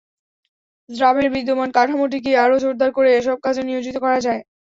র্যাবের বিদ্যমান কাঠামোটিকেই আরও জোরদার করে এসব কাজে নিয়োজিত করা যায়।